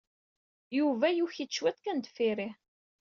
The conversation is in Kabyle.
Yuba yuki-d cwiṭ kan deffir-i.